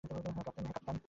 হ্যা, ক্যাপ্টেন।